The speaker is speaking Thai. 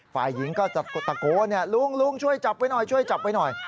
ฝ่ายหญิงก็จะตะโกนลุงลุงช่วยจับไว้หน่อยช่วยจับไว้หน่อย